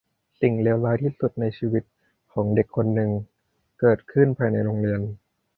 สิ่งเลวร้ายที่สุดในชีวิตของเด็กคนหนึ่งเกิดขึ้นภายในโรงเรียน